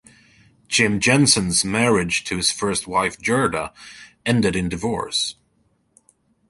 Jim Jensen's marriage to his first wife Gerda ended in divorce.